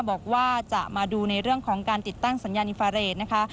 บอกว่าจะมาดูในเรื่องของการติดตั้งสัญญาณอินฟาเรทนะคะ